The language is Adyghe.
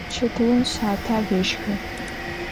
Çetıum şater yêşşxı.